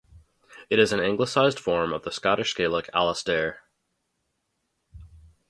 It is an Anglicised form of the Scottish Gaelic "Alasdair".